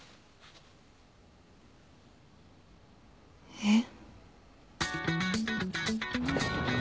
えっ？